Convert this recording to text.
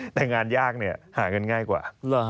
แต่งานยากเนี่ยหาเงินง่ายกว่า